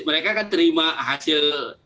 mereka kan terima hasil